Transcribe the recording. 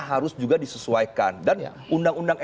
harus juga disesuaikan dan undang undang